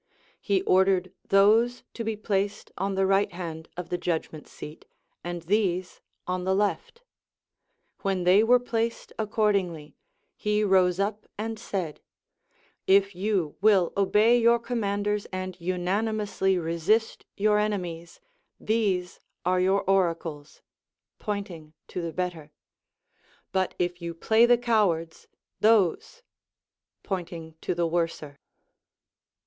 He ordered those to be placed on the right hand of the judg ment seat, and these on the left. IVhen they Avere placed accordingly, he rose up and said : If you will obey your commanders and imanimously resist your enemies, these are your oracles, — pointing to the better ; but if you play the cowards, those, — pointing to the worser.